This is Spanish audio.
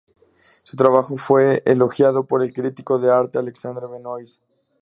Su trabajo fue elogiado por el crítico de arte Alexandre Benois.